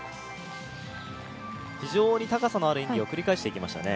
非常に高さのある演技を繰り返していきましたね。